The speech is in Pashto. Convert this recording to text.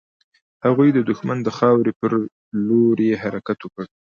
هغوی د دښمن د خاورې پر لور يې حرکت وکړ.